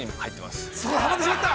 ◆すごい、はまってしまった？